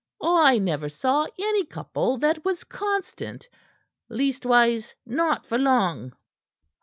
"I never saw any couple that was constant leastways, not for long."